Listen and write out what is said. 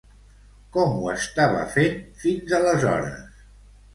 Com ho estava fent, fins aleshores?